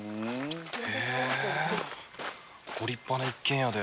へぇご立派な一軒家で。